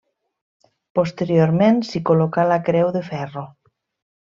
Posteriorment s'hi col·locà la creu de ferro.